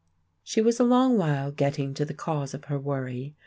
She was a long while getting to the cause of her worry.